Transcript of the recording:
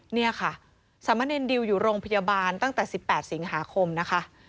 นี่ค่ะสามะเนรดิวอยู่โรงพยาบาลตั้งแต่๑๘สิงหาคมนะคะ